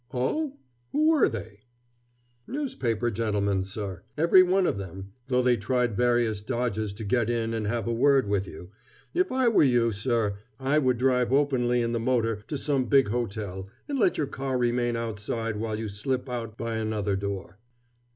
"Oh? Who were they?" "Newspaper gentlemen, sir, every one of 'em, though they tried various dodges to get in and have a word with you. If I were you, sir, I would drive openly in the motor to some big hotel, and let your car remain outside while you slip out by another door."